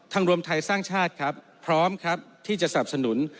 ทรงรวมไทยสร้างชาติพร้อมที่จะส่านสนุน